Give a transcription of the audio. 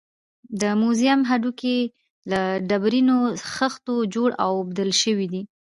د موزیم هډوکي له ډبرینو خښتو جوړ او اوبدل شوي دي.